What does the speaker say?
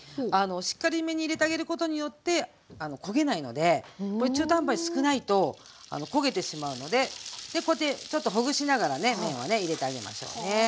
しっかりめに入れてあげることによって焦げないのでこれ中途半端に少ないと焦げてしまうのででこうやってちょっとほぐしながらね麺をね入れてあげましょうね。